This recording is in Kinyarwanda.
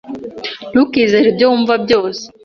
Ntukizere ibyo wumva byose.